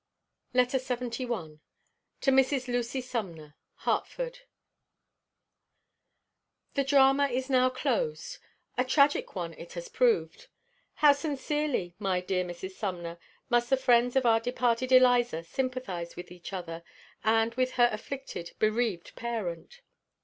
LETTER LXXI. TO MRS. LUCY SUMNER. HARTFORD. The drama is now closed! A tragical one it has proved! How sincerely, my dear Mrs. Sumner, must the friends of our departed Eliza sympathize with each other, and with her afflicted, bereaved parent!